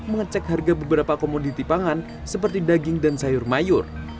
mengecek harga beberapa komoditi pangan seperti daging dan sayur mayur